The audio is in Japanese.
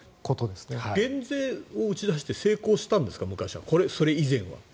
減税を打ち出して成功したんですかそれ以前は。